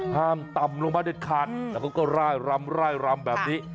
ห้ามตำลงมาเด็ดขาดแล้วก็ร่ายรำแบบนี้